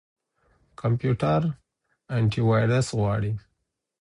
کمپيوټر انټيويروس غواړي.